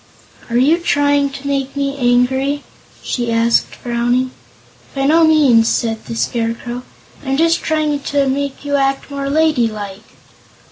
"Are you trying to make me angry?" she asked, frowning. "By no means," said the Scarecrow; "I'm just trying to make you act more ladylike."